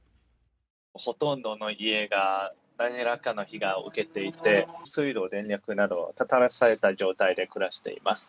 ほとんどの家が、なんらかの被害を受けていて、水道、電力など断たれた状態で暮らしています。